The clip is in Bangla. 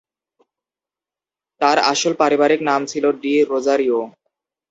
তাঁর আসল পারিবারিক নাম ছিল 'ডি রোজারিয়ো'।